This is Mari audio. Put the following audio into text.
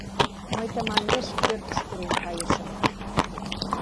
Мый тыманмеш пӧртыш пурен кайышым.